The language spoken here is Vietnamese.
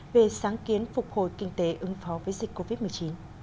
về sáng kiến phục hồi kinh tế ứng phó với dịch covid một mươi chín